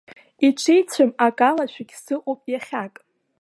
Иҽеицәам, акалашәагь сыҟоуп иахьак.